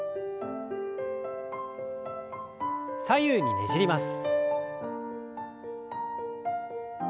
左右にねじります。